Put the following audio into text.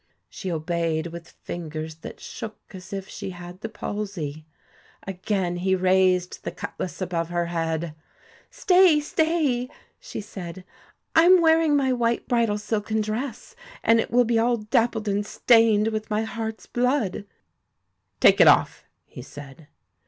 She obeyed with fingers that shook as if she had the palsy. Again he raised the cutlass above her head. 'Stay! stay!' she said; 'I am wearing my white bridal silken dress, and it will be all dappled and stained with my heart's blood.' ' Take it off,' he said.